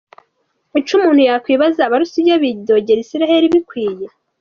Ico umuntu yokwibaza, abarusiya bidogera Isirayeli bikwiye? .